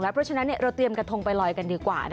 เพราะฉะนั้นเราเตรียมกระทงไปลอยกันดีกว่า